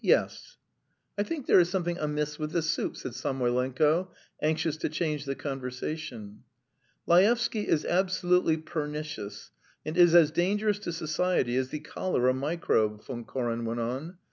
Yes." "I think there is something amiss with the soup ..." said Samoylenko, anxious to change the conversation. "Laevsky is absolutely pernicious and is as dangerous to society as the cholera microbe," Von Koren went on.